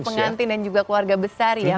pengantin dan juga keluarga besar ya